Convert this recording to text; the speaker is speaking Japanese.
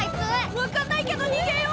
分かんないけどにげよう！